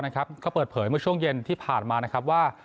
ก็เปิดเผยเมื่อช่วงเย็นที่ผ่านมานะครับว่า